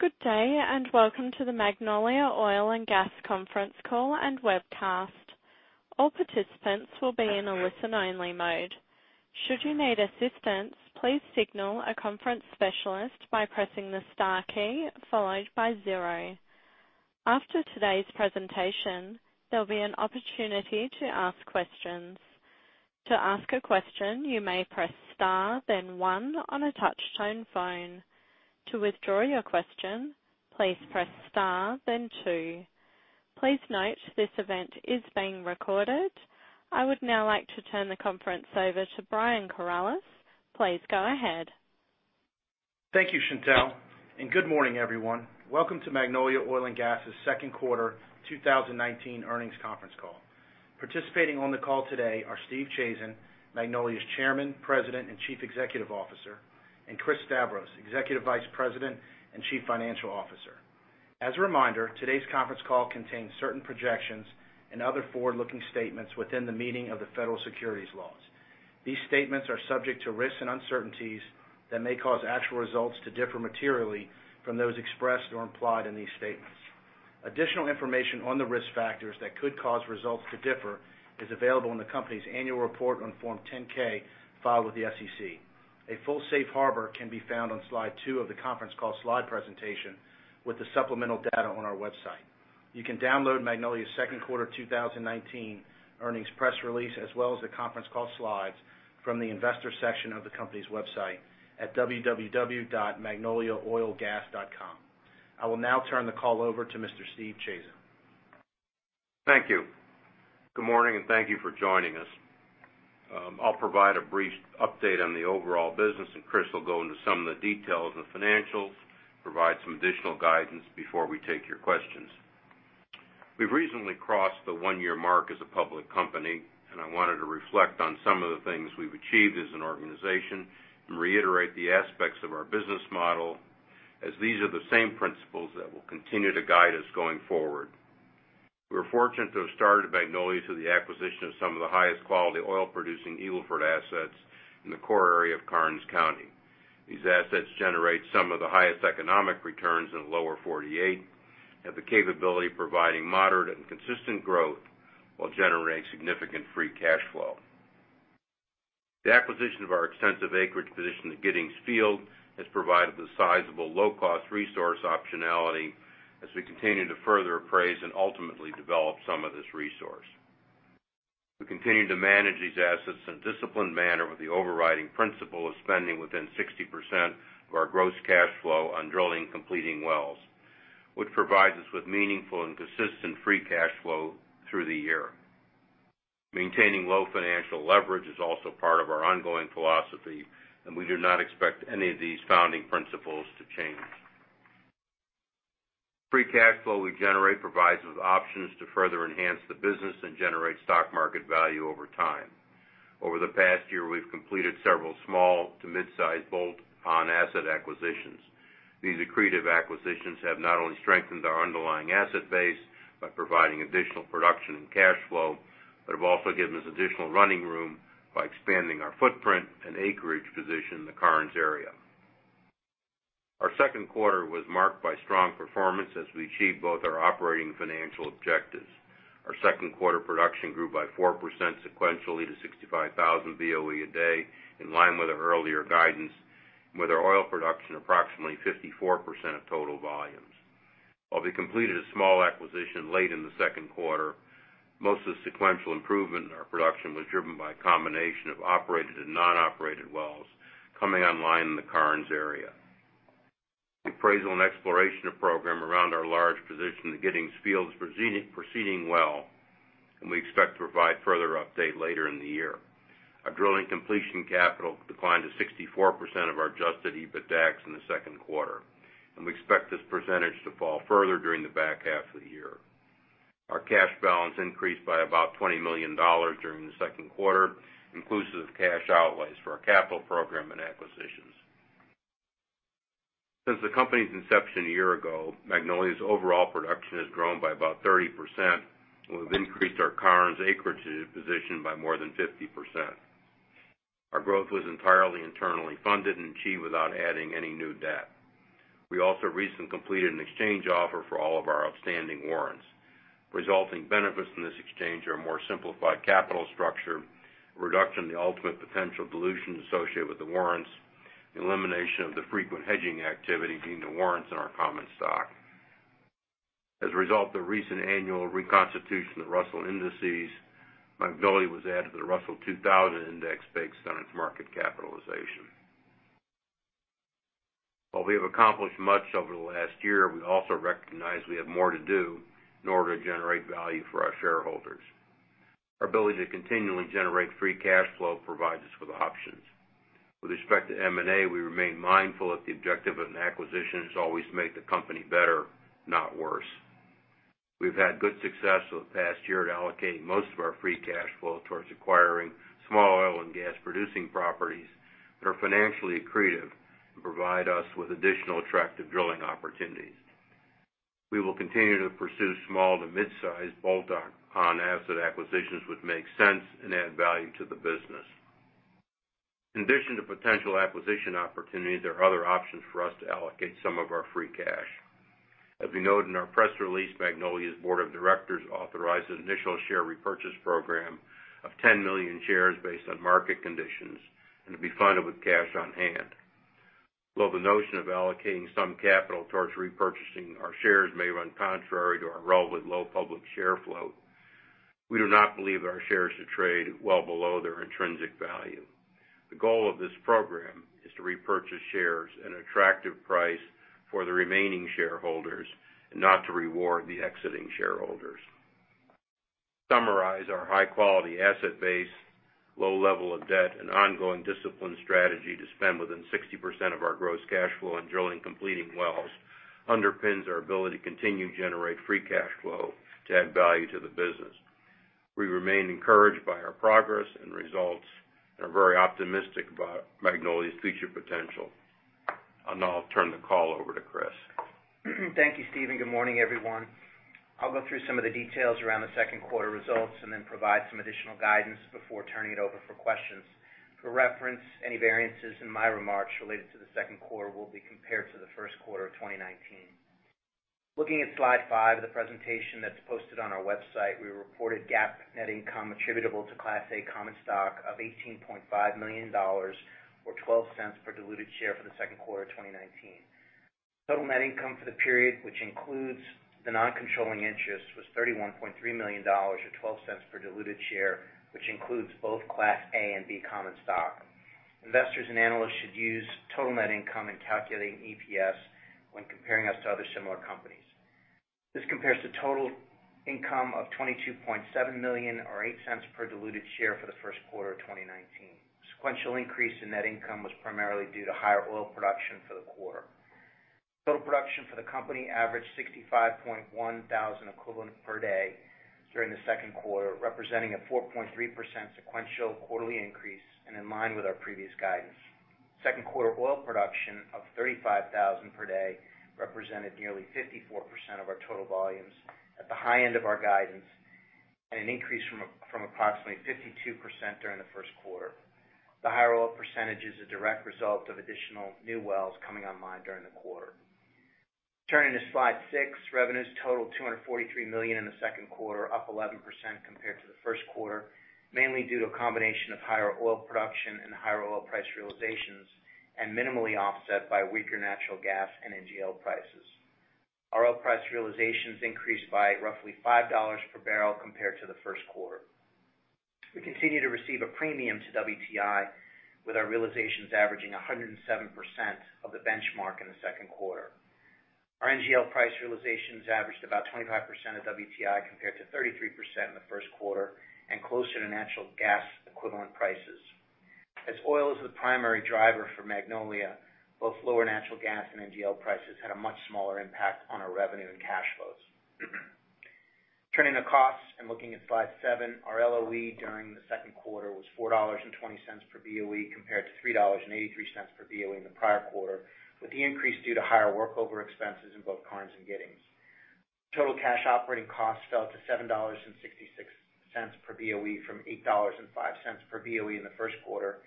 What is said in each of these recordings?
Good day, and welcome to the Magnolia Oil & Gas conference call and webcast. All participants will be in a listen-only mode. Should you need assistance, please signal a conference specialist by pressing the star key followed by zero. After today's presentation, there'll be an opportunity to ask questions. To ask a question, you may press star then one on a touch-tone phone. To withdraw your question, please press star then two. Please note this event is being recorded. I would now like to turn the conference over to Brian Corales. Please go ahead. Thank you, Chantelle, good morning, everyone. Welcome to Magnolia Oil & Gas' second quarter 2019 earnings conference call. Participating on the call today are Stephen Chazen, Magnolia's Chairman, President, and Chief Executive Officer, and Christopher Stavros, Executive Vice President and Chief Financial Officer. As a reminder, today's conference call contains certain projections and other forward-looking statements within the meaning of the federal securities laws. These statements are subject to risks and uncertainties that may cause actual results to differ materially from those expressed or implied in these statements. Additional information on the risk factors that could cause results to differ is available in the company's annual report on Form 10-K filed with the SEC. A full safe harbor can be found on slide two of the conference call slide presentation with the supplemental data on our website. You can download Magnolia's second quarter 2019 earnings press release as well as the conference call slides from the investor section of the company's website at www.magnoliaoilandgas.com. I will now turn the call over to Mr. Stephen Chazen. Thank you. Good morning, and thank you for joining us. I'll provide a brief update on the overall business, and Chris will go into some of the details of the financials, provide some additional guidance before we take your questions. We've recently crossed the one-year mark as a public company, and I wanted to reflect on some of the things we've achieved as an organization and reiterate the aspects of our business model, as these are the same principles that will continue to guide us going forward. We were fortunate to have started Magnolia through the acquisition of some of the highest quality oil-producing Eagle Ford assets in the core area of Karnes County. These assets generate some of the highest economic returns in the Lower 48, have the capability providing moderate and consistent growth while generating significant free cash flow. The acquisition of our extensive acreage position at Giddings Field has provided the sizable low-cost resource optionality as we continue to further appraise and ultimately develop some of this resource. We continue to manage these assets in a disciplined manner with the overriding principle of spending within 60% of our gross cash flow on drilling and completing wells, which provides us with meaningful and consistent free cash flow through the year. Maintaining low financial leverage is also part of our ongoing philosophy, and we do not expect any of these founding principles to change. Free cash flow we generate provides us with options to further enhance the business and generate stock market value over time. Over the past year, we've completed several small to mid-size bolt-on asset acquisitions. These accretive acquisitions have not only strengthened our underlying asset base by providing additional production and cash flow, but have also given us additional running room by expanding our footprint and acreage position in the Karnes area. Our second quarter was marked by strong performance as we achieved both our operating and financial objectives. Our second quarter production grew by 4% sequentially to 65,000 BOE a day, in line with our earlier guidance, with our oil production approximately 54% of total volumes. While we completed a small acquisition late in the second quarter, most of the sequential improvement in our production was driven by a combination of operated and non-operated wells coming online in the Karnes area. The appraisal and exploration program around our large position at the Giddings Field is proceeding well, and we expect to provide further update later in the year. Our drilling completion capital declined to 64% of our adjusted EBITDAX in the second quarter, and we expect this percentage to fall further during the back half of the year. Our cash balance increased by about $20 million during the second quarter, inclusive of cash outlays for our capital program and acquisitions. Since the company's inception a year ago, Magnolia's overall production has grown by about 30%, and we've increased our Karnes acreage position by more than 50%. Our growth was entirely internally funded and achieved without adding any new debt. We also recently completed an exchange offer for all of our outstanding warrants. Resulting benefits from this exchange are a more simplified capital structure, a reduction in the ultimate potential dilution associated with the warrants, elimination of the frequent hedging activity deemed to warrants in our common stock. As a result of the recent annual reconstitution of the Russell Indices, Magnolia was added to the Russell 2000 Index based on its market capitalization. While we have accomplished much over the last year, we also recognize we have more to do in order to generate value for our shareholders. Our ability to continually generate free cash flow provides us with options. With respect to M&A, we remain mindful that the objective of an acquisition is always to make the company better, not worse. We've had good success over the past year at allocating most of our free cash flow towards acquiring small oil and gas-producing properties that are financially accretive and provide us with additional attractive drilling opportunities. We will continue to pursue small to mid-size bolt-on asset acquisitions which make sense and add value to the business. In addition to potential acquisition opportunities, there are other options for us to allocate some of our free cash. As we noted in our press release, Magnolia's board of directors authorized an initial share repurchase program of 10 million shares based on market conditions and will be funded with cash on hand. While the notion of allocating some capital towards repurchasing our shares may run contrary to our relatively low public share flow, we do not believe our shares should trade well below their intrinsic value. The goal of this program is to repurchase shares at an attractive price for the remaining shareholders and not to reward the exiting shareholders. To summarize our high-quality asset base, low level of debt, and ongoing discipline strategy to spend within 60% of our gross cash flow on drilling and completing wells underpins our ability to continue to generate free cash flow to add value to the business. We remain encouraged by our progress and results and are very optimistic about Magnolia's future potential. I'll now turn the call over to Chris. Thank you, Stephen. Good morning, everyone. I'll go through some of the details around the second quarter results and then provide some additional guidance before turning it over for questions. For reference, any variances in my remarks related to the second quarter will be compared to the first quarter of 2019. Looking at slide five of the presentation that's posted on our website, we reported GAAP net income attributable to Class A common stock of $18.5 million or $0.12 per diluted share for the second quarter of 2019. Total net income for the period, which includes the non-controlling interest, was $31.3 million or $0.12 per diluted share, which includes both Class A and Class B common stock. Investors and analysts should use total net income in calculating EPS when comparing us to other similar companies. This compares to total income of $22.7 million or $0.08 per diluted share for the first quarter of 2019. Sequential increase in net income was primarily due to higher oil production for the quarter. Total production for the company averaged 65.1 thousand equivalent per day during the second quarter, representing a 4.3% sequential quarterly increase and in line with our previous guidance. Second quarter oil production of 35,000 per day represented nearly 54% of our total volumes at the high end of our guidance and an increase from approximately 52% during the first quarter. The higher oil percentage is a direct result of additional new wells coming online during the quarter. Turning to slide six, revenues totaled $243 million in the second quarter, up 11% compared to the first quarter, mainly due to a combination of higher oil production and higher oil price realizations, minimally offset by weaker natural gas and NGL prices. Our oil price realizations increased by roughly $5 per barrel compared to the first quarter. We continue to receive a premium to WTI, with our realizations averaging 107% of the benchmark in the second quarter. Our NGL price realizations averaged about 25% of WTI compared to 33% in the first quarter and closer to natural gas equivalent prices. As oil is the primary driver for Magnolia, both lower natural gas and NGL prices had a much smaller impact on our revenue and cash flows. Turning to costs and looking at slide seven, our LOE during the second quarter was $4.20 per BOE compared to $3.83 per BOE in the prior quarter, with the increase due to higher workover expenses in both Karnes and Giddings. Total cash operating costs fell to $7.66 per BOE from $8.05 per BOE in the first quarter.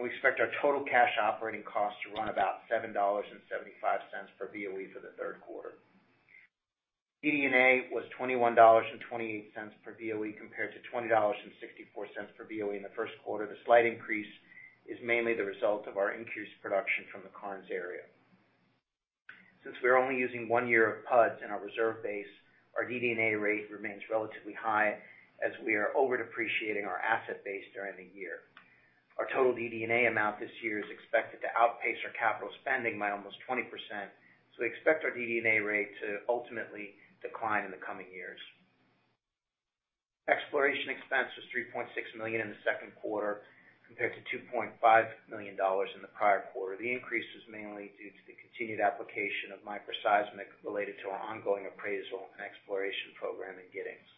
We expect our total cash operating costs to run about $7.75 per BOE for the third quarter. DD&A was $21.28 per BOE compared to $20.64 per BOE in the first quarter. The slight increase is mainly the result of our increased production from the Karnes area. Since we are only using one year of PUDs in our reserve base, our DD&A rate remains relatively high as we are over-depreciating our asset base during the year. Our total DD&A amount this year is expected to outpace our capital spending by almost 20%, so we expect our DD&A rate to ultimately decline in the coming years. Exploration expense was $3.6 million in the second quarter compared to $2.5 million in the prior quarter. The increase was mainly due to the continued application of microseismic related to our ongoing appraisal and exploration program in Giddings.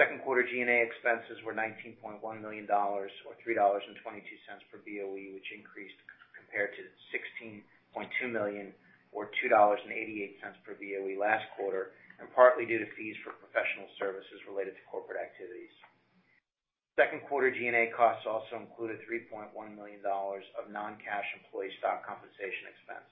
Second quarter G&A expenses were $19.1 million, or $3.22 per BOE, which increased compared to $16.2 million or $2.88 per BOE last quarter, and partly due to fees for professional services related to corporate activities. Second quarter G&A costs also included $3.1 million of non-cash employee stock compensation expense.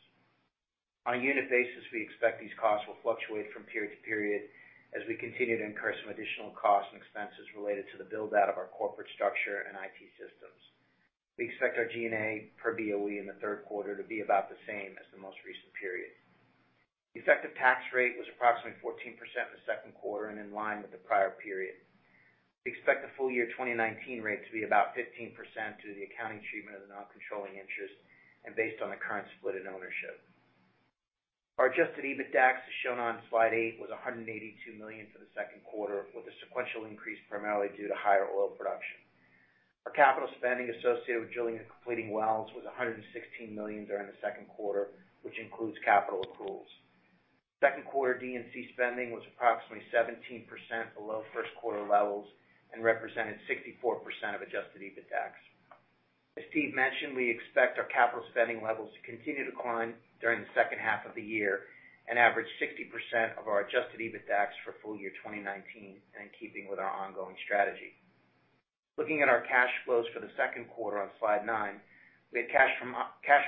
On a unit basis, we expect these costs will fluctuate from period to period as we continue to incur some additional costs and expenses related to the build-out of our corporate structure and IT systems. We expect our G&A per BOE in the third quarter to be about the same as the most recent period. The effective tax rate was approximately 14% in the second quarter and in line with the prior period. We expect the full year 2019 rate to be about 15% due to the accounting treatment of the non-controlling interest and based on the current split in ownership. Our adjusted EBITDAX, as shown on slide eight, was $182 million for the second quarter, with a sequential increase primarily due to higher oil production. Our capital spending associated with drilling and completing wells was $116 million during the second quarter, which includes capital accruals. Second quarter D&C spending was approximately 17% below first quarter levels and represented 64% of adjusted EBITDAX. As Steve mentioned, we expect our capital spending levels to continue to decline during the second half of the year and average 60% of our adjusted EBITDAX for full year 2019 and in keeping with our ongoing strategy. Looking at our cash flows for the second quarter on slide nine, we had cash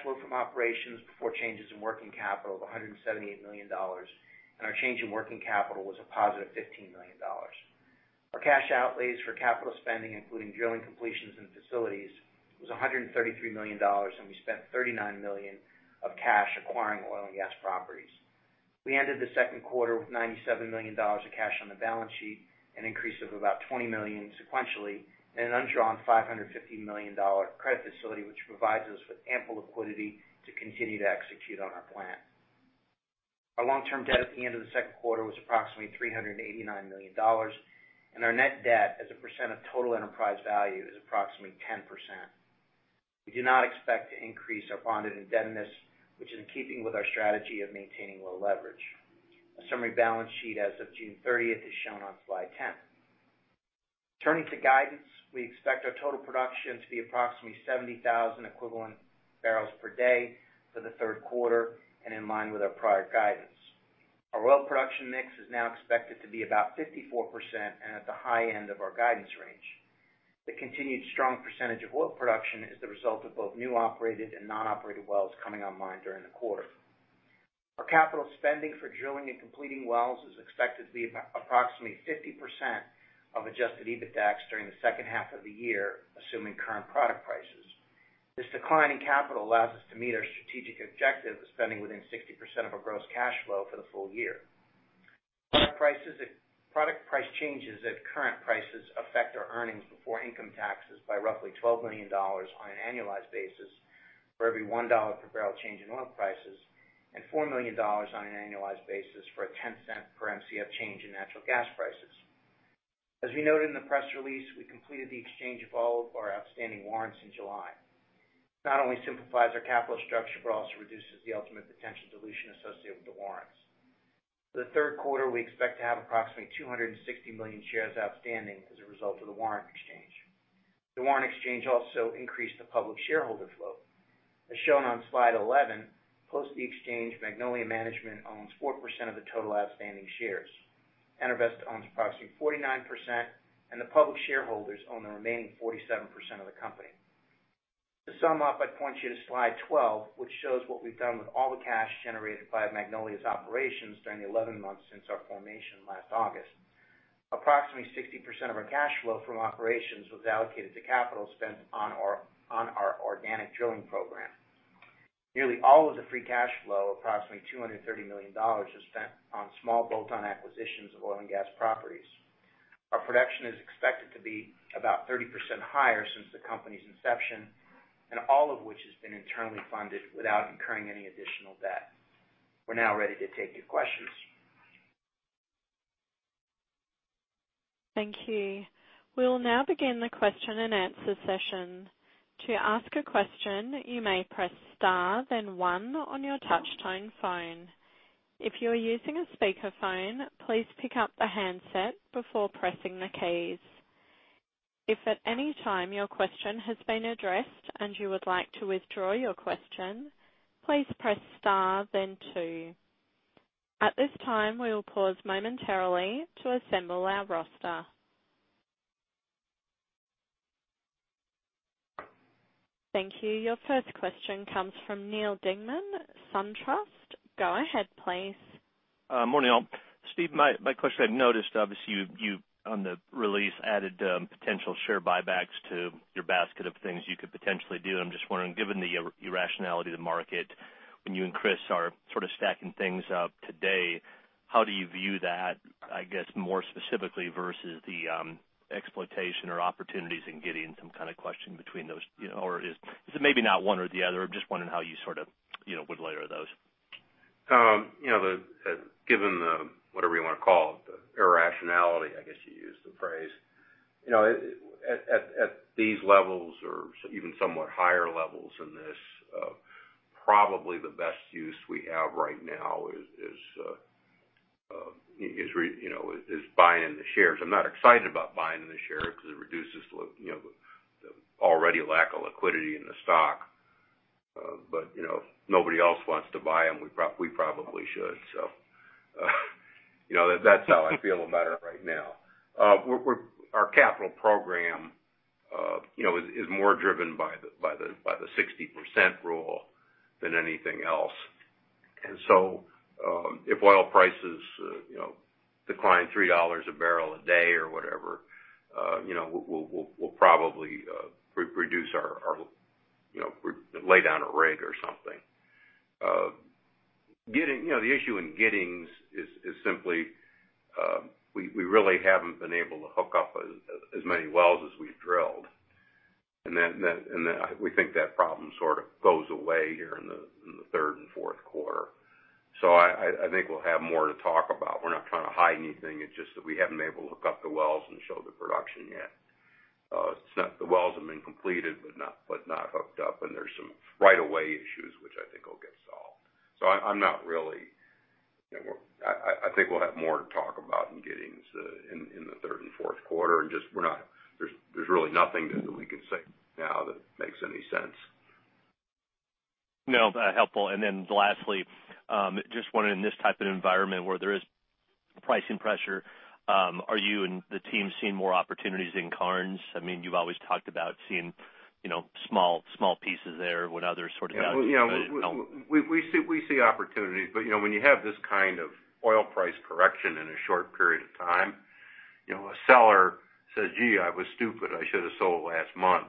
flow from operations before changes in working capital of $178 million, and our change in working capital was a positive $15 million. Our cash outlays for capital spending, including drilling completions and facilities, was $133 million, and we spent $39 million of cash acquiring oil and gas properties. We ended the second quarter with $97 million of cash on the balance sheet, an increase of about $20 million sequentially, and an undrawn $550 million credit facility, which provides us with ample liquidity to continue to execute on our plan. Our long-term debt at the end of the second quarter was approximately $389 million, and our net debt as a percent of total enterprise value is approximately 10%. We do not expect to increase our bonded indebtedness, which is in keeping with our strategy of maintaining low leverage. A summary balance sheet as of June 30th is shown on slide 10. Turning to guidance, we expect our total production to be approximately 70,000 equivalent barrels per day for the third quarter and in line with our prior guidance. Our oil production mix is now expected to be about 54% and at the high end of our guidance range. The continued strong percentage of oil production is the result of both new operated and non-operated wells coming online during the quarter. Our capital spending for drilling and completing wells is expected to be approximately 50% of adjusted EBITDAX during the second half of the year, assuming current product prices. This decline in capital allows us to meet our strategic objective of spending within 60% of our gross cash flow for the full year. Product price changes at current prices affect our earnings before income taxes by roughly $12 million on an annualized basis for every $1 per barrel change in oil prices and $4 million on an annualized basis for a $0.10 per Mcf change in natural gas prices. As we noted in the press release, we completed the exchange of all of our outstanding warrants in July. This not only simplifies our capital structure, but also reduces the ultimate potential dilution associated with the warrants. For the third quarter, we expect to have approximately 260 million shares outstanding as a result of the warrant exchange. The warrant exchange also increased the public shareholder flow. As shown on slide 11, post the exchange, Magnolia Management owns 4% of the total outstanding shares. EnerVest owns approximately 49%, and the public shareholders own the remaining 47% of the company. To sum up, I'd point you to slide 12, which shows what we've done with all the cash generated by Magnolia's operations during the 11 months since our formation last August. Approximately 60% of our cash flow from operations was allocated to capital spent on our organic drilling program. Nearly all of the free cash flow, approximately $230 million, was spent on small bolt-on acquisitions of oil and gas properties. Our production is expected to be about 30% higher since the company's inception, and all of which has been internally funded without incurring any additional debt. We're now ready to take your questions. Thank you. We'll now begin the question and answer session. To ask a question, you may press star then one on your touch-tone phone. If you're using a speakerphone, please pick up the handset before pressing the keys. If at any time your question has been addressed and you would like to withdraw your question, please press star then two. At this time, we will pause momentarily to assemble our roster. Thank you. Your first question comes from Neal Dingmann, SunTrust. Go ahead, please. Morning, all. Steve, my question, I've noticed obviously you, on the release, added potential share buybacks to your basket of things you could potentially do. I'm just wondering, given the irrationality of the market, when you and Chris are sort of stacking things up today, how do you view that, I guess, more specifically versus the exploitation or opportunities in Giddings, some kind of question between those? Or is it maybe not one or the other? I'm just wondering how you sort of would layer those? Given the, whatever you want to call it, the irrationality, I guess you used the phrase. At these levels or even somewhat higher levels than this, probably the best use we have right now is buying the shares. I'm not excited about buying the shares because it reduces the already lack of liquidity in the stock. If nobody else wants to buy them, we probably should. That's how I feel about it right now. Our capital program is more driven by the 60% rule than anything else. If oil prices decline $3 a barrel a day or whatever, we'll probably lay down a rig or something. The issue in Giddings is simply we really haven't been able to hook up as many wells as we've drilled, and we think that problem sort of goes away here in the third and fourth quarter. I think we'll have more to talk about. We're not trying to hide anything. It's just that we haven't been able to hook up the wells and show the production yet. The wells have been completed but not hooked up, and there's some right of way issues, which I think will get solved. I think we'll have more to talk about in Giddings in the third and fourth quarter, and there's really nothing that we can say now that makes any sense. No, helpful. Lastly, just wanted in this type of environment where there is pricing pressure, are you and the team seeing more opportunities in Karnes? You've always talked about seeing small pieces there when others sort it out. We see opportunities, when you have this kind of oil price correction in a short period of time, a seller says, "Gee, I was stupid. I should have sold last month."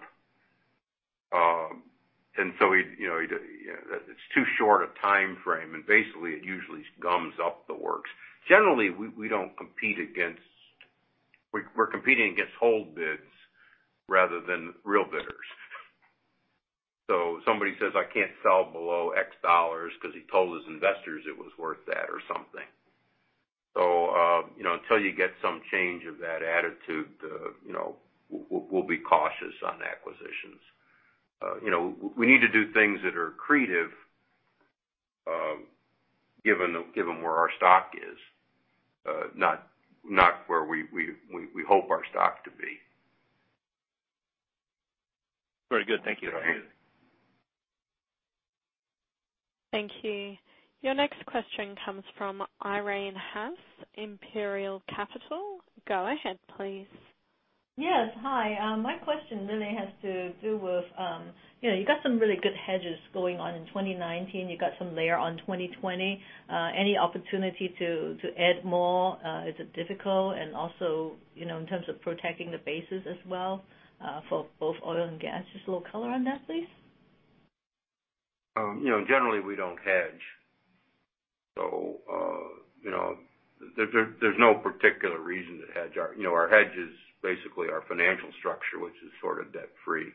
It's too short a timeframe, basically it usually gums up the works. Generally, we're competing against hold bids rather than real bidders. Somebody says, "I can't sell below X dollars" because he told his investors it was worth that or something. Until you get some change of that attitude, we'll be cautious on acquisitions. We need to do things that are accretive given where our stock is, not where we hope our stock to be. Very good. Thank you. Okay. Thank you. Your next question comes from Irene Haas, Imperial Capital. Go ahead, please. Yes. Hi. My question really has to do with, you got some really good hedges going on in 2019. You got some layer on 2020. Any opportunity to add more? Is it difficult? Also, in terms of protecting the bases as well for both oil and gas, just a little color on that, please. Generally, we don't hedge. There's no particular reason to hedge. Our hedge is basically our financial structure, which is sort of debt-free,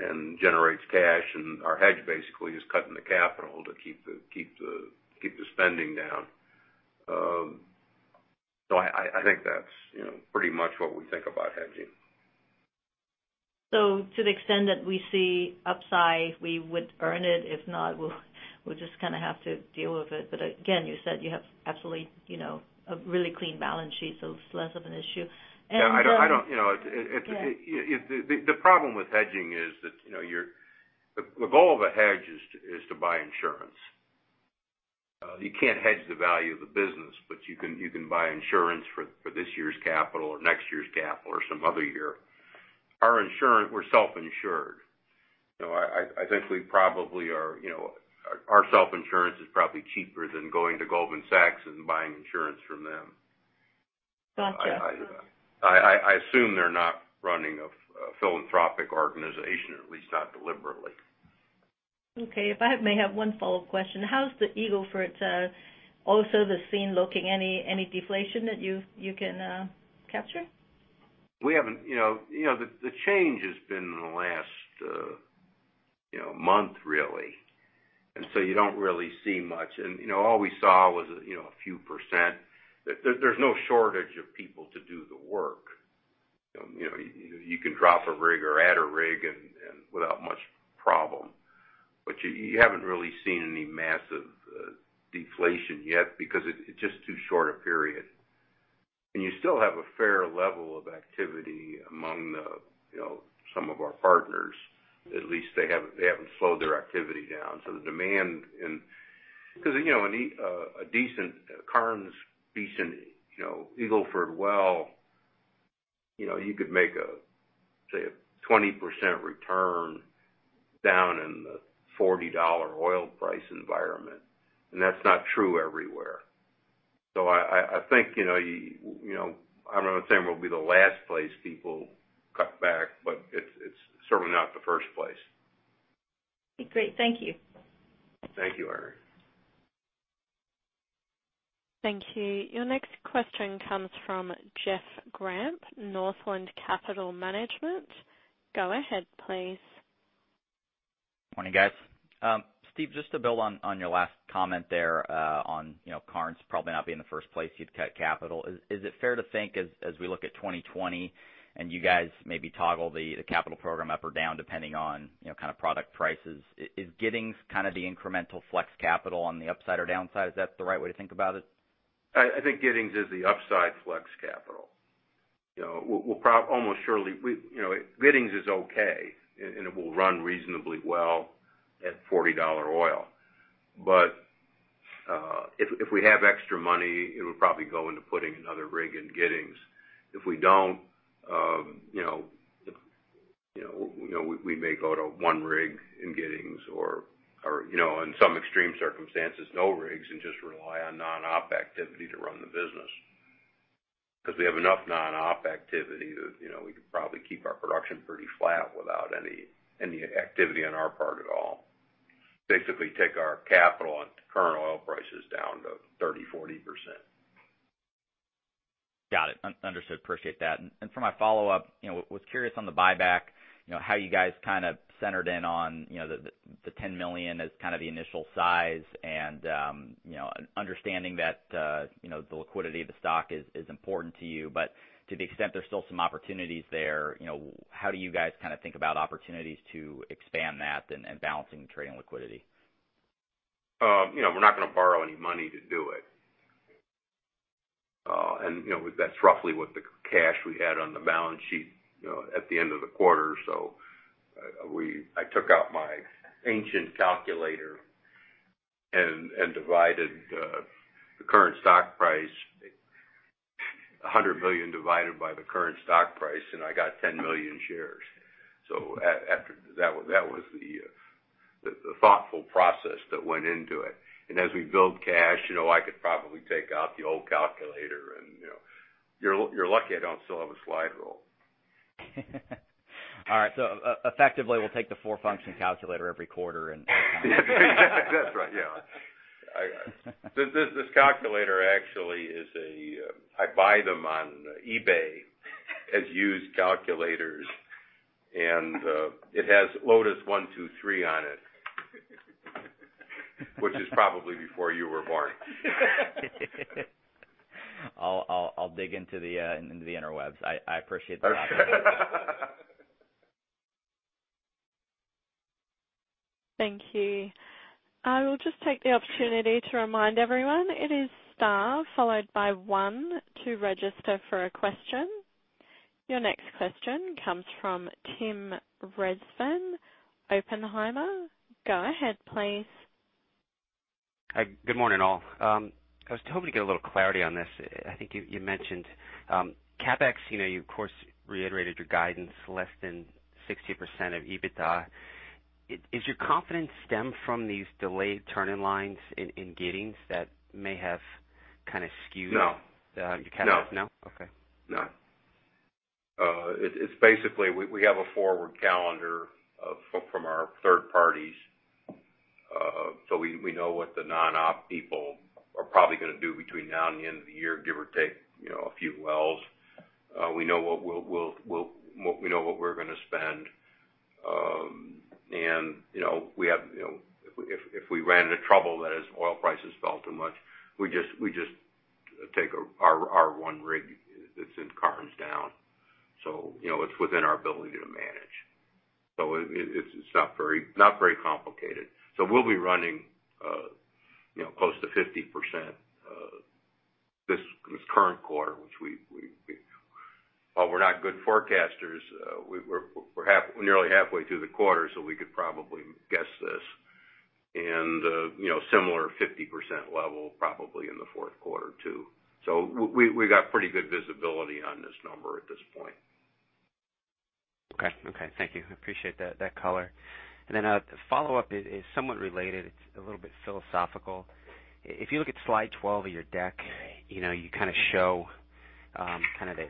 and generates cash, and our hedge basically is cutting the capital to keep the spending down. I think that's pretty much what we think about hedging. To the extent that we see upside, we would earn it. If not, we'll just have to deal with it. Again, you said you have absolutely a really clean balance sheet, so it's less of an issue. The problem with hedging is that the goal of a hedge is to buy insurance. You can't hedge the value of the business, but you can buy insurance for this year's capital or next year's capital or some other year. Our insurance, we're self-insured. Our self-insurance is probably cheaper than going to Goldman Sachs and buying insurance from them. Gotcha. I assume they're not running a philanthropic organization, at least not deliberately. Okay, if I may have one follow-up question. How is the Eagle Ford, also the scene looking? Any deflation that you can capture? The change has been in the last month, really. You don't really see much. All we saw was a few %. There's no shortage of people to do the work. You can drop a rig or add a rig and without much problem. You haven't really seen any massive deflation yet because it's just too short a period. You still have a fair level of activity among some of our partners. At least they haven't slowed their activity down. The demand in Because a decent Karnes, decent Eagle Ford well, you could make, say, a 20% return down in the $40 oil price environment. That's not true everywhere. I think, I'm not saying we'll be the last place people cut back, but it's certainly not the first place. Okay, great. Thank you. Thank you, Irene. Thank you. Your next question comes from Jeff Grampp, Northland Capital Markets. Go ahead, please. Morning, guys. Steve, just to build on your last comment there on Karnes probably not being the first place you'd cut capital. Is it fair to think as we look at 2020 and you guys maybe toggle the capital program up or down depending on kind of product prices, is Giddings kind of the incremental flex capital on the upside or downside? Is that the right way to think about it? I think Giddings is the upside flex capital. Giddings is okay and it will run reasonably well at $40 oil. If we have extra money, it would probably go into putting another rig in Giddings. If we don't, we may go to 1 rig in Giddings or, in some extreme circumstances, no rigs and just rely on non-op activity to run the business. We have enough non-op activity that we could probably keep our production pretty flat without any activity on our part at all. Basically take our capital on current oil prices down to 30%-40%. Got it. Understood. Appreciate that. For my follow-up, was curious on the buyback, how you guys kind of centered in on the $10 million as kind of the initial size and understanding that the liquidity of the stock is important to you. To the extent there's still some opportunities there, how do you guys think about opportunities to expand that and balancing the trading liquidity? We're not going to borrow any money to do it. That's roughly what the cash we had on the balance sheet at the end of the quarter. I took out my ancient calculator and divided the current stock price, $100 million divided by the current stock price, and I got 10 million shares. That was the thoughtful process that went into it. As we build cash, I could probably take out the old calculator and you're lucky I don't still have a slide rule. All right. Effectively we'll take the four-function calculator every quarter. That's right. Yeah. This calculator actually is a I buy them on eBay as used calculators, and it has Lotus 1-2-3 on it. Which is probably before you were born. I'll dig into the interwebs. I appreciate the offer. Okay. Thank you. I will just take the opportunity to remind everyone, it is star followed by one to register for a question. Your next question comes from Tim Rezvan, Oppenheimer. Go ahead, please. Hi. Good morning, all. I was hoping to get a little clarity on this. I think you mentioned CapEx, you of course reiterated your guidance less than 60% of EBITDA. Is your confidence stemmed from these delayed turn-in-lines in Giddings that may have kind of skewed? No. The CapEx? No. No? Okay. No. It's basically, we have a forward calendar from our third parties. We know what the non-op people are probably going to do between now and the end of the year, give or take a few wells. We know what we're going to spend. If we ran into trouble, that is oil prices fell too much, we just take our one rig that's in Karnes down. It's within our ability to manage. It's not very complicated. We'll be running close to 50% this current quarter. While we're not good forecasters, we're nearly halfway through the quarter, so we could probably guess this. Similar 50% level probably in the fourth quarter too. We got pretty good visibility on this number at this point. Okay. Thank you. I appreciate that color. A follow-up is somewhat related. It's a little bit philosophical. If you look at slide 12 of your deck, you show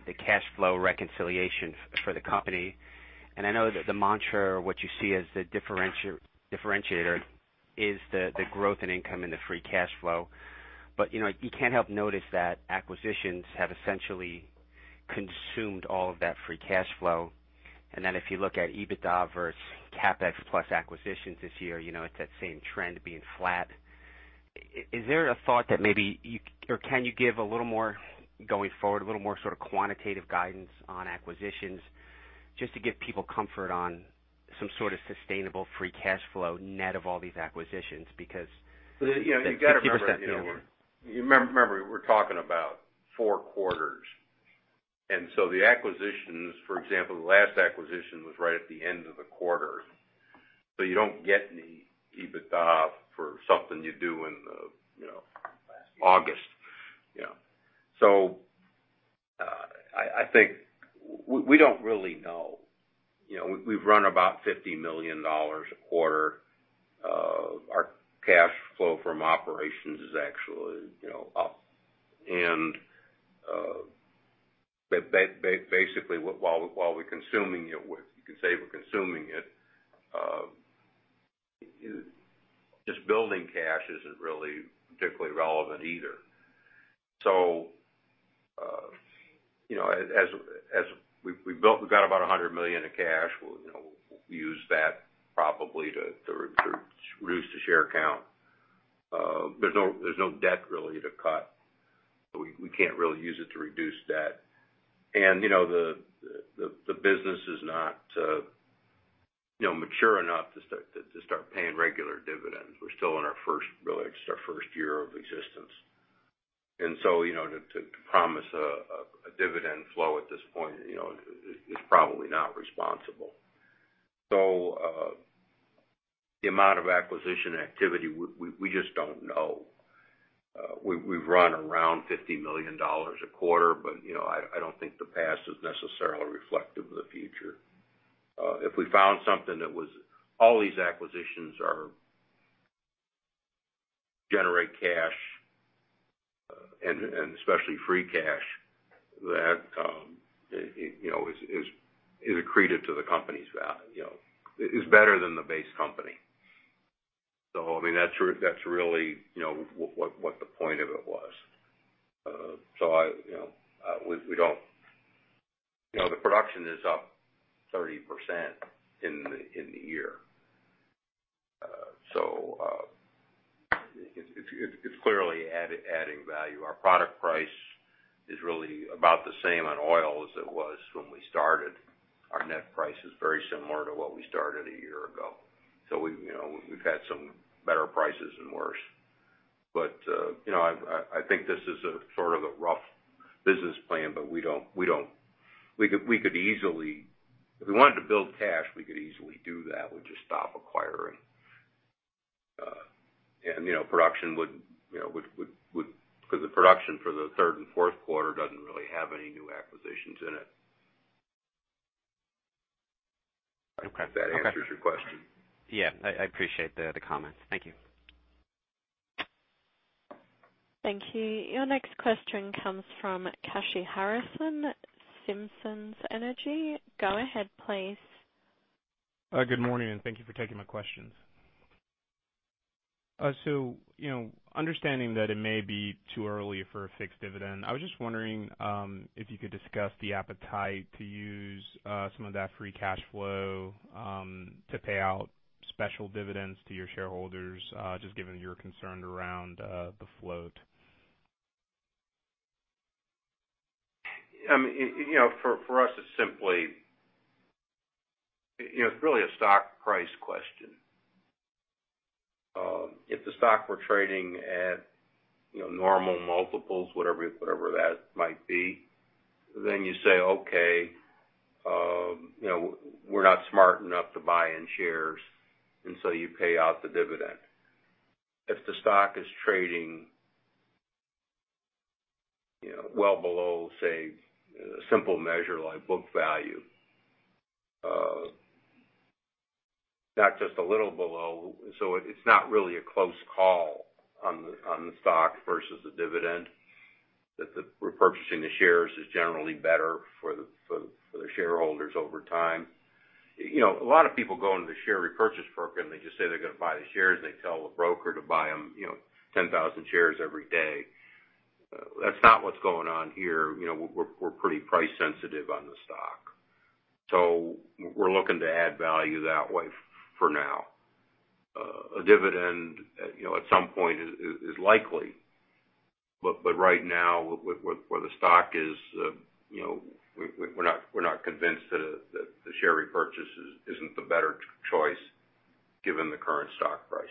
the cash flow reconciliation for the company. I know that the mantra, what you see as the differentiator is the growth and income and the free cash flow. You can't help notice that acquisitions have essentially consumed all of that free cash flow. If you look at EBITDA versus CapEx plus acquisitions this year, it's that same trend being flat. Can you give a little more going forward, a little more sort of quantitative guidance on acquisitions just to give people comfort on some sort of sustainable free cash flow net of all these acquisitions? You got to remember. To keep us at bay over. Remember we're talking about four quarters. The acquisitions, for example, the last acquisition was right at the end of the quarter. You don't get any EBITDA for something you do. Last year August. I think we don't really know. We've run about $50 million a quarter. Our cash flow from operations is actually up and basically while we're consuming it, you could say we're consuming it. Just building cash isn't really particularly relevant either. As we've built, we've got about $100 million of cash. We'll use that probably to reduce the share count. There's no debt really to cut. We can't really use it to reduce debt. The business is not mature enough to start paying regular dividends. We're still in our first, really it's our first year of existence. To promise a dividend flow at this point is probably not responsible. The amount of acquisition activity, we just don't know. We've run around $50 million a quarter, but I don't think the past is necessarily reflective of the future. All these acquisitions generate cash, and especially free cash that is accreted to the company's value is better than the base company. I mean, that's really what the point of it was. The production is up 30% in the year. It's clearly adding value. Our product price is really about the same on oil as it was when we started. Our net price is very similar to what we started a year ago. We've had some better prices and worse. I think this is a sort of a rough business plan. If we wanted to build cash, we could easily do that. We'll just stop acquiring. Because the production for the third and fourth quarter doesn't really have any new acquisitions in it. Okay. If that answers your question. Yeah. I appreciate the comments. Thank you. Thank you. Your next question comes from Kashy Harrison, Simmons Energy. Go ahead, please. Good morning. Thank you for taking my questions. Understanding that it may be too early for a fixed dividend, I was just wondering if you could discuss the appetite to use some of that free cash flow to pay out special dividends to your shareholders just given your concern around the float. It's really a stock price question. If the stock were trading at normal multiples, whatever that might be, then you say, "Okay, we're not smart enough to buy in shares," you pay out the dividend. If the stock is trading well below, say, a simple measure like book value. Not just a little below, it's not really a close call on the stock versus the dividend, that the repurchasing the shares is generally better for the shareholders over time. A lot of people go into the share repurchase program. They just say they're going to buy the shares, they tell the broker to buy them 10,000 shares every day. That's not what's going on here. We're pretty price sensitive on the stock. We're looking to add value that way for now. A dividend at some point is likely. Right now, where the stock is, we're not convinced that the share repurchase isn't the better choice given the current stock price.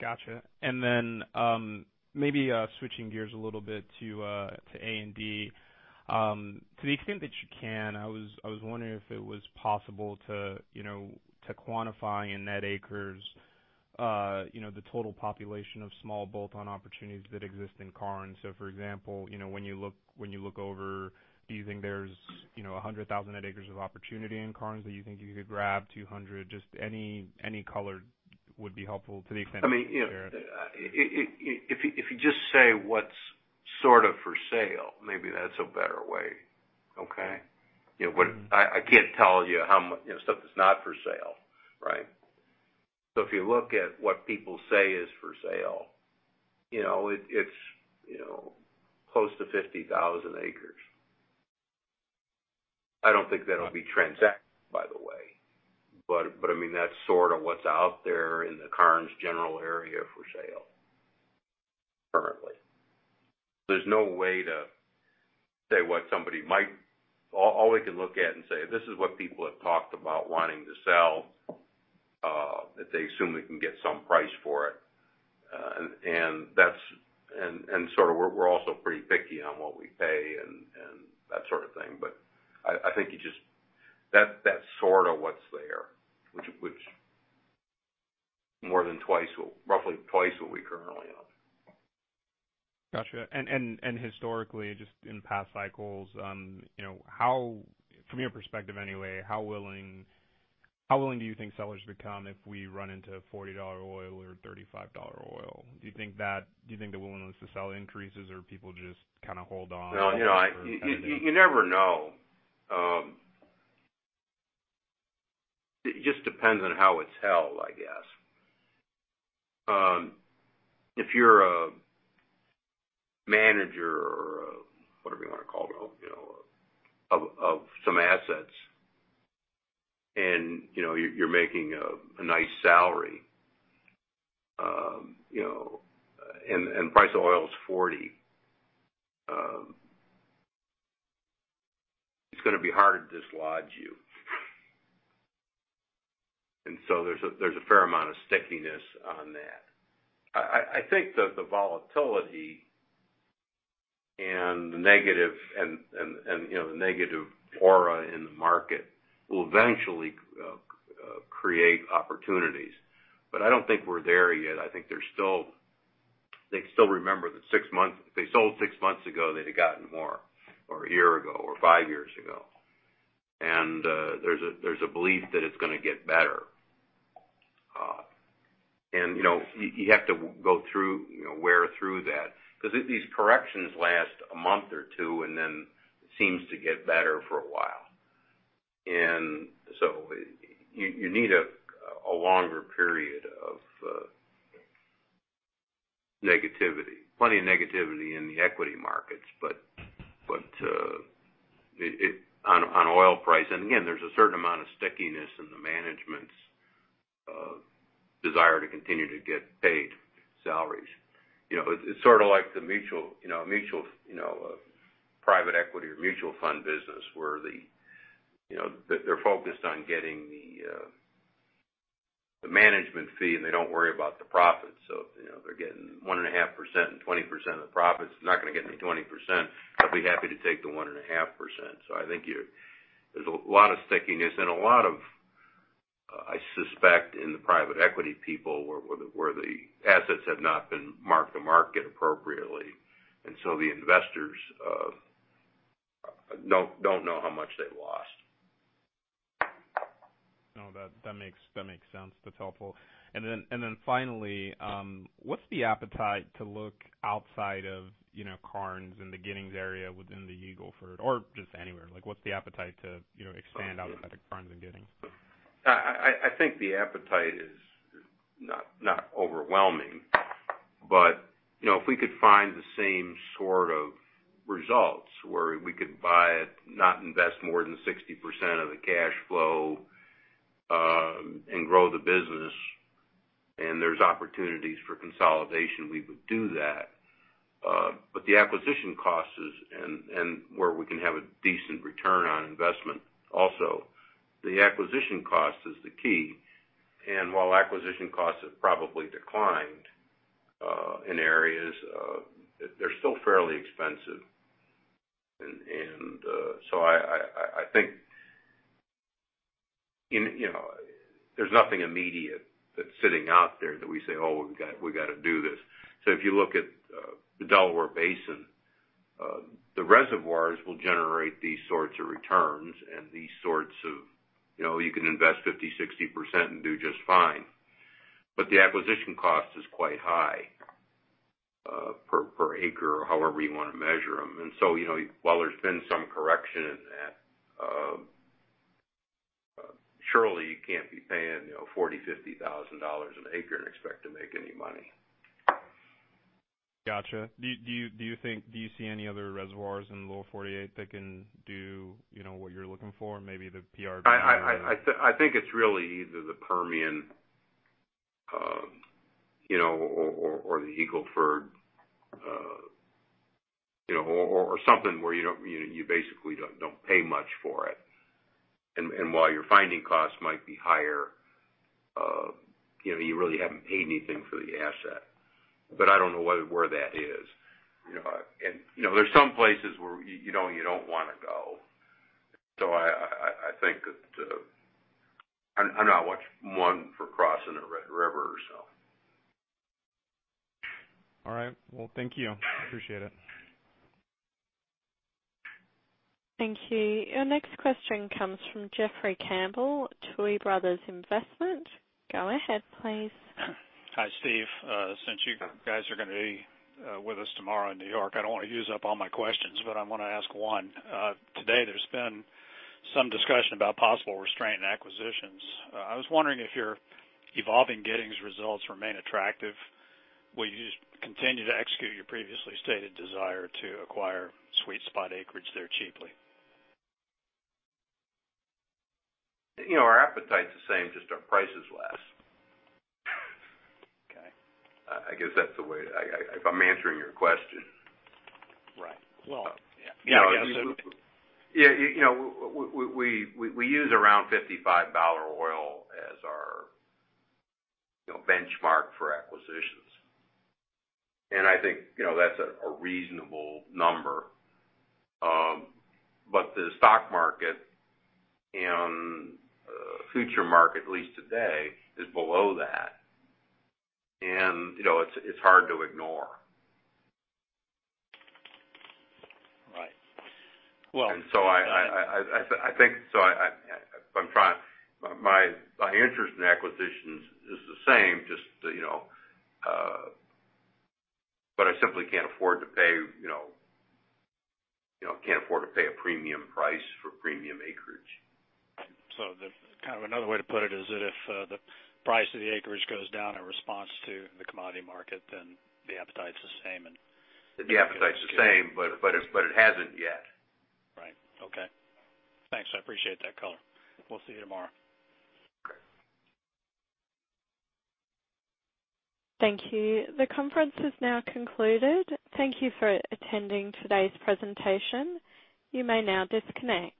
Got you. Maybe switching gears a little bit to A&D. To the extent that you can, I was wondering if it was possible to quantify in net acres the total population of small bolt-on opportunities that exist in Karnes. When you look over, do you think there's 100,000 net acres of opportunity in Karnes that you think you could grab 200? Any color would be helpful to the extent that you can share it. If you just say what's sort of for sale, maybe that's a better way. Okay? I can't tell you how stuff that's not for sale, right? If you look at what people say is for sale, it's close to 50,000 acres. I don't think that'll be transacted, by the way. That's sort of what's out there in the Karnes general area for sale currently. There's no way to say what somebody might. All we can look at and say, "This is what people have talked about wanting to sell," that they assume they can get some price for it. Sort of we're also pretty picky on what we pay and that sort of thing. I think that's sort of what's there, which more than twice, roughly twice what we currently own. Got you. Historically, just in past cycles, from your perspective anyway, how willing do you think sellers become if we run into $40 oil or $35 oil? Do you think the willingness to sell increases, or people just kind of hold on? No. You never know. It just depends on how it's held, I guess. If you're a manager or a whatever you want to call it, of some assets, and you're making a nice salary, and price of oil is $40, it's going to be hard to dislodge you. There's a fair amount of stickiness on that. I think that the volatility and the negative aura in the market will eventually create opportunities. I don't think we're there yet. I think they still remember if they sold six months ago, they'd have gotten more, or a year ago or five years ago. There's a belief that it's going to get better. You have to wear through that because these corrections last a month or two, and then it seems to get better for a while. You need a longer period of negativity. Plenty of negativity in the equity markets, but on oil price. Again, there's a certain amount of stickiness in the management desire to continue to get paid salaries. It's sort of like the private equity or mutual fund business, where they're focused on getting the management fee, and they don't worry about the profits. They're getting 1.5% and 20% of the profits. I'm not going to get any 20%, I'd be happy to take the 1.5%. I think there's a lot of stickiness and a lot of, I suspect, in the private equity people, where the assets have not been mark-to-market appropriately. The investors don't know how much they've lost. No, that makes sense. That's helpful. Finally, what's the appetite to look outside of Karnes and the Giddings area within the Eagle Ford, or just anywhere? What's the appetite to expand outside of Karnes and Giddings? I think the appetite is not overwhelming. If we could find the same sort of results, where we could buy it, not invest more than 60% of the cash flow, and grow the business, and there's opportunities for consolidation, we would do that. Where we can have a decent return on investment also. The acquisition cost is the key. While acquisition costs have probably declined in areas, they're still fairly expensive. I think there's nothing immediate that's sitting out there that we say, "Oh, we've got to do this." If you look at the Delaware Basin, the reservoirs will generate these sorts of returns. You can invest 50, 60% and do just fine. The acquisition cost is quite high per acre or however you want to measure them. While there's been some correction in that, surely you can't be paying $40,000, $50,000 an acre and expect to make any money. Got you. Do you see any other reservoirs in the Lower 48 that can do what you're looking for? Maybe the PR1- I think it's really either the Permian or the Eagle Ford, or something where you basically don't pay much for it. While your finding costs might be higher, you really haven't paid anything for the asset. I don't know where that is. There's some places where you don't want to go. I'm not one for crossing a Red River. All right. Well, thank you. Appreciate it. Thank you. Your next question comes from Jeffrey Campbell, Tuohy Brothers Investment. Go ahead, please. Hi, Steve. Since you guys are going to be with us tomorrow in New York, I don't want to use up all my questions, but I'm going to ask one. Today, there's been some discussion about possible restraint in acquisitions. I was wondering if your evolving Giddings results remain attractive, will you continue to execute your previously stated desire to acquire sweet spot acreage there cheaply? Our appetite's the same, just our price is less. Okay. I guess that's the way if I'm answering your question. Right. Well, yeah. Yeah. We use around $55 oil as our benchmark for acquisitions. I think that's a reasonable number. The stock market and future market, at least today, is below that. It's hard to ignore. Right. I think my interest in acquisitions is the same, but I simply can't afford to pay a premium price for premium acreage. Another way to put it is that if the price of the acreage goes down in response to the commodity market, then the appetite's the same. The appetite's the same, but it hasn't yet. Right. Okay. Thanks. I appreciate that color. We'll see you tomorrow. Okay. Thank you. The conference has now concluded. Thank you for attending today's presentation. You may now disconnect.